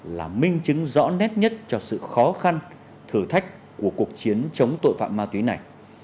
là minh chứng rõ nét nhất cho sự khó khăn thử thách của cuộc chiến chống tội phạm ma túy này